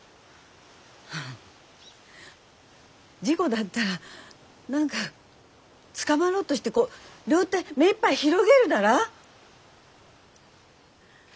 あ事故だったら何かつかまろうとしてこう両手目いっぱい広げるだら？